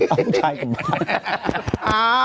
เอาชายกับหมูดำ